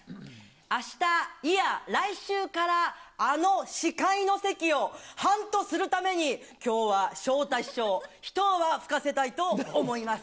明日、いや、来週から、あの司会の席をハントするために、きょうは昇太師匠、一泡ふかせたいと思います。